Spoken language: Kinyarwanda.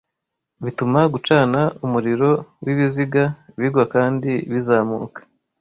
Bituma gucana umuriro wibiziga bigwa kandi bikazamuka.